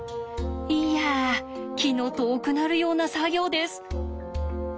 いや気の遠くなるような作業です。